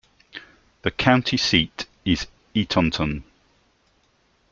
The county seat is Eatonton.